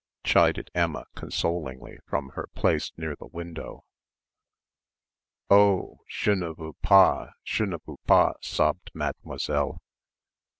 chided Emma consolingly from her place near the window. "Oh! je ne veux pas, je ne veux pas," sobbed Mademoiselle.